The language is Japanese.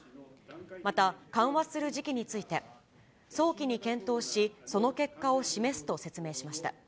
また、緩和する時期について、早期に検討し、その結果を示すと説明しました。